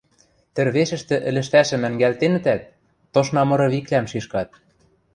Тӹрвешӹштӹ ӹлӹштӓшӹм ӓнгӓлтенӹтӓт, тошна мыры виквлӓм шишкат.